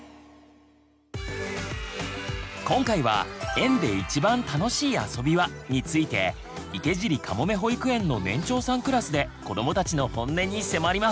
今回は「園でいちばん楽しい遊びは？」について池尻かもめ保育園の年長さんクラスでこどもたちのホンネに迫ります！